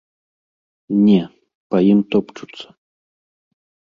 Не, па ім топчуцца.